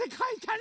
ね